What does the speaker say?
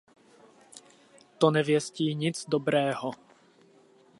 To nevěstí nic dobrého.